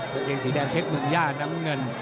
กางเกงสีแดงเท็กมึงย่าน้ำเงิน